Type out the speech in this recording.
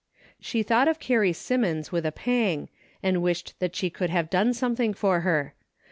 She thought of Carrie Simmons with a pang, and wished that she could have done something for her.